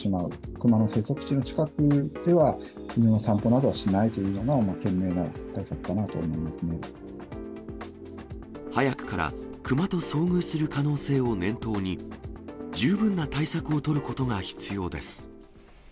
クマの生息地の近くでは犬の散歩などはしないというのが賢明な対早くからクマと遭遇する可能性を念頭に、十分な対策を取ることが必要です。